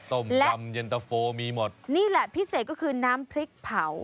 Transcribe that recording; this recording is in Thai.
ต้มยำเย็นตะโฟมีหมดนี่แหละพิเศษก็คือน้ำพริกเผา